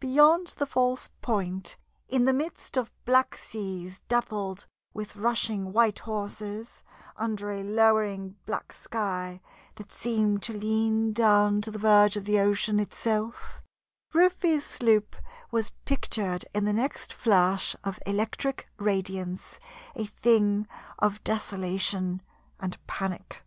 Beyond the false point, in the midst of black seas dappled with rushing white horses, under a lowering black sky that seemed to lean down to the verge of the ocean itself, Rufe's sloop was pictured in the next flash of electric radiance a thing of desolation and panic.